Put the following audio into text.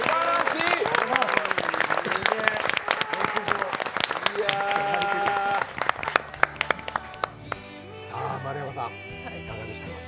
いや、丸山さん、いかがでしたか。